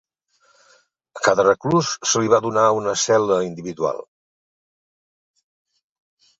A cada reclús se li va donar una cel·la individual.